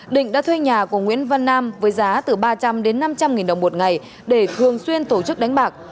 định đã thuê nhà của nguyễn văn nam với giá từ ba trăm linh đến năm trăm linh nghìn đồng một ngày để thường xuyên tổ chức đánh bạc